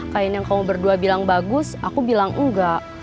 kayaknya kamu berdua bilang bagus aku bilang enggak